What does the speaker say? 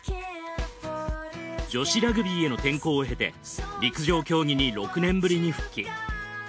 女子ラグビーへの転向を経て陸上競技に６年ぶりに復帰。